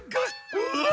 うわ！